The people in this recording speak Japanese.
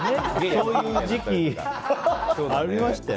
そういう時期ありましたよ。